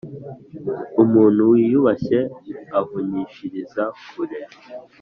umuntu wiyubashye avunyishiriza kure.